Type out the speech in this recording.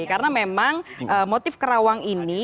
karena memang motif kerawang ini